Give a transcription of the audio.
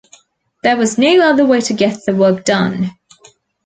There was no other way to get the work done!